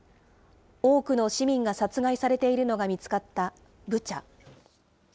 多くの市民が殺害されているのが見つかったブチャ。